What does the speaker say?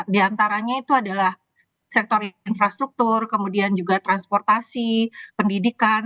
di antaranya itu adalah sektor infrastruktur kemudian juga transportasi pendidikan